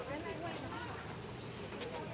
สวัสดีครับทุกคน